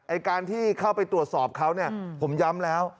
การที่เข้าไปตรวจสอบเขาเนี่ยผมย้ำแล้ว